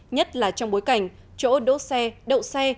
nhất là trong bối cảnh chỗ đỗ xe đậu xe